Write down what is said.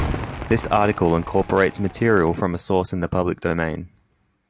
This article incorporates material from a source in the public domain.